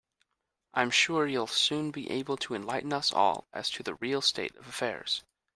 I'm sure you'll soon be able to enlighten us all as to the real state of affairs.